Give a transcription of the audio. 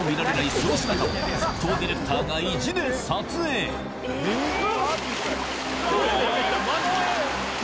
その姿を沸騰ディレクターが意地で撮影うわぁ！